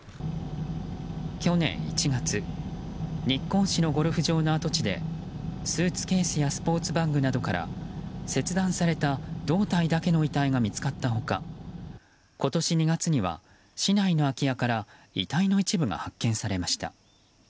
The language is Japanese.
去年１月日光市のゴルフ場の跡地でスーツケースやスポーツバッグなどから切断された胴体だけの遺体が見つかった他今年２月には、市内の空き家から遺体の一部が発見されました。